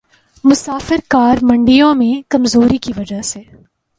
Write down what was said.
مسافر کار منڈیوں میں کمزوری کی وجہ سے